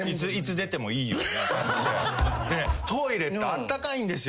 トイレってあったかいんですよ。